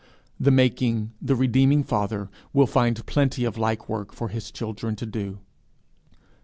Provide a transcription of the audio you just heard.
The making, the redeeming Father will find plenty of like work for his children to do.